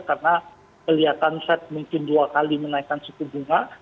karena kelihatan set mungkin dua kali menaikkan suku bunga